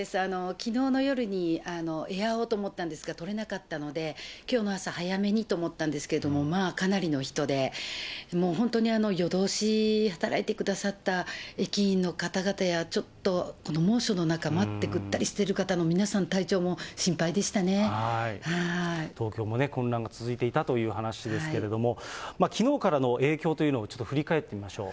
きのうの夜にエアをと思ったんですが取れなかったので、きょうも朝早めにと思ったんですけれども、まあ、かなりの人で、もう本当に夜通し働いてくださった駅員の方々や、ちょっと猛暑の中、待ってぐったりしている方、東京もね、混乱が続いていたという話ですけれども、きのうからの影響というのをちょっと振り返ってみましょう。